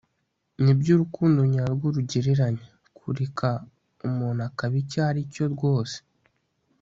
nibyo urukundo nyarwo rugereranya - kureka umuntu akaba icyo aricyo rwose